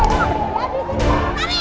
miss ayu boleh ya